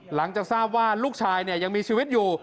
หลังจากทราบว่าลูกชายยังมีชีวิตอยู่